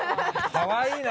かわいいな。